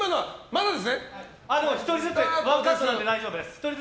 １人ずつ１カットなので大丈夫です。